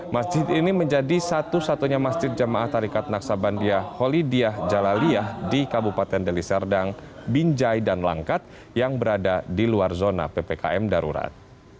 masjid ini menjadi satu satunya masjid jamaah tarikat naksabandia holidiyah jalaliyah di kabupaten deli serdang binjai dan langkat yang berada di luar zona ppkm darurat